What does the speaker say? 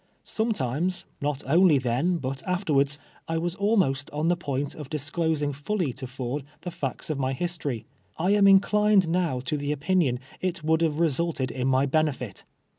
Sometimes, not only then, but afterwards, I was al most on the point of disclosing fully to Ford the facts of my history. I am inclined now to the opinion it would liave resulted in my benefit.